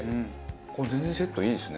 全然セットいいですね。